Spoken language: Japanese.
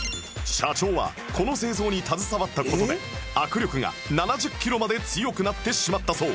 社長はこの製造に携わった事で握力が７０キロまで強くなってしまったそう